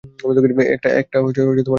একটা খালি বাক্স।